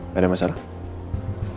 gak ada masalah